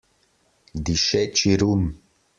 Dišeči rum!